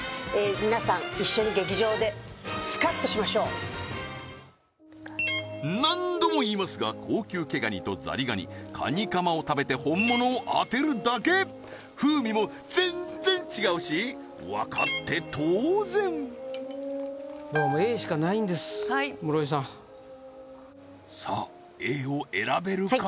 皆さん一緒に劇場でスカッとしましょう何度も言いますが高級毛ガニとザリガニカニカマを食べて本物を当てるだけ風味も全然違うしわかって当然Ａしかないんです室井さんさあＡを選べるか？